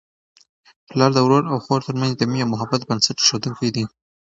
پلار د ورور او خور ترمنځ د مینې او محبت بنسټ ایښودونکی دی.